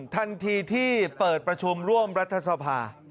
ทันทีที่เปิดประชุมร่วมรัฐสภา